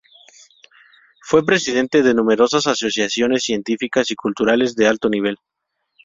Fue presidente de numerosas asociaciones científicas y culturales de alto nivel.